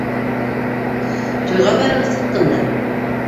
Туйға барырға сыҡтым да...